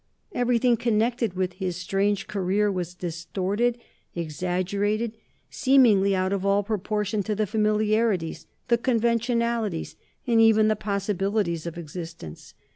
Everything connected with his strange career was distorted, exaggerated, seemingly out of all proportion to the familiarities, the conventionalities, and even the possibilities of existence.